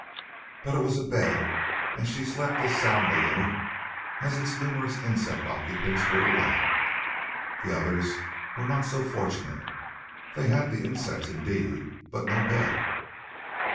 But it was a bed, and she slept as soundly in it as its numerous insect occupants would allow. The others were not so fortunate: they had the insects indeed, but no bed.